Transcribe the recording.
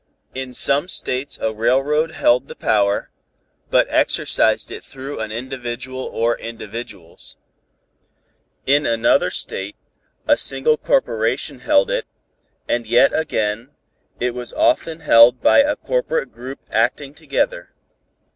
In some States a railroad held the power, but exercised it through an individual or individuals. In another State, a single corporation held it, and yet again, it was often held by a corporate group acting together.